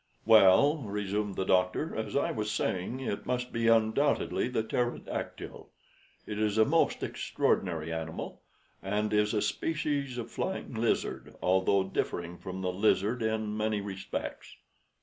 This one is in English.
"Well," resumed the doctor, "as I was saying, it must be undoubtedly the pterodactyl. It is a most extraordinary animal, and is a species of flying lizard, although differing from the lizard in many respects.